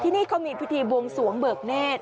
นี่เขามีพิธีบวงสวงเบิกเนธ